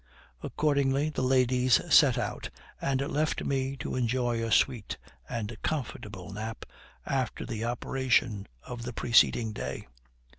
Accordingly the ladies set out, and left me to enjoy a sweet and comfortable nap after the operation of the preceding day.